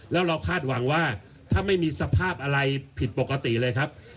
แล้วเราคาดหวังว่าถ้าไม่มีสภาพอะไรผิดปกติเลยครับ